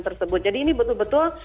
tersebut jadi ini betul betul